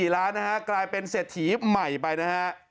ล้านนะฮะกลายเป็นเศรษฐีใหม่ไปนะฮะ